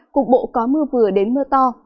cùng bộ có mưa vừa đến mưa to